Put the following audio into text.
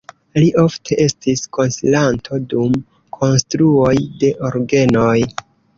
Li ofte estis konsilanto dum konstruoj de orgenoj.